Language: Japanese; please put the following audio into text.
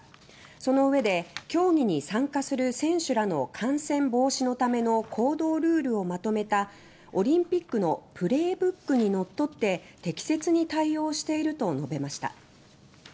そのうえで競技に参加する選手らの感染防止のための行動ルールをまとめた「オリンピックのプレーブックにのっとって適切に対応している」と述べました。